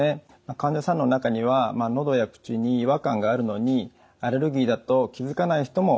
患者さんの中にはのどや口に違和感があるのにアレルギーだと気付かない人も多いです。